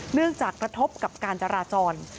เนื่องจากกระทบกับการจราจร